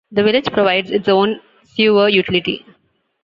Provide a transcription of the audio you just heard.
The village provides its own sewer utility.